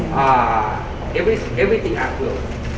พวกมันจัดสินค้าที่๑๙นาที